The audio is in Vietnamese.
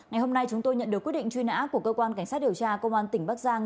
ngày hôm nay chúng tôi nhận được quyết định truy nã của cơ quan cảnh sát điều tra công an tỉnh bắc giang